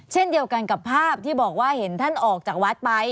เช่นเดียวกันกับภาพที่บอกว่าเห็นท่านออกจากวัดไป